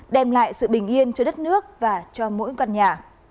đem lại sự bình yên cho đất nước và cho mỗi con nhà